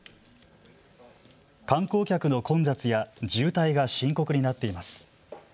観光客の混雑や渋滞が深刻になっています。